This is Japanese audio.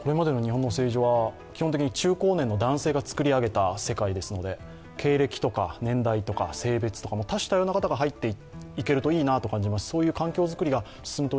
これまでの日本の政治は、基本的には中高年の男性が作り上げた世界ですので、経歴など多種多様な方が入っていければと思います。